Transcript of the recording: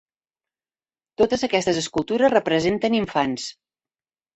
Totes aquestes escultures representen infants.